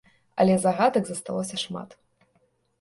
Але загадак засталося шмат.